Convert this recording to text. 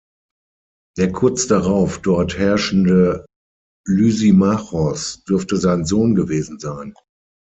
Der kurz darauf dort herrschende Lysimachos dürfte sein Sohn gewesen sein.